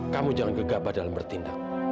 kamu jangan gegak padahal bertindak